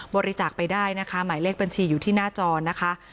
บริจาคไปได้นะคะหมายเลขบัญชีอยู่ที่หน้าจอนะคะ